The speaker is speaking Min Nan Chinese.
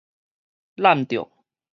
攬著